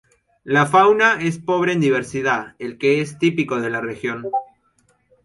La fauna es pobre en diversidad, el que es típico de la región.